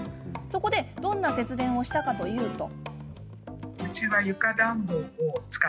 そこでどんな節電をしたかというと。